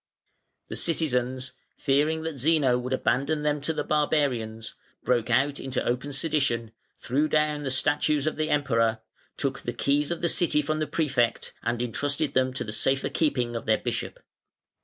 The citizens, fearing that Zeno would abandon them to the barbarians, broke out into open sedition, threw down the statues of the Emperor, took the keys of the city from the Prefect and entrusted them to the safer keeping of their Bishop.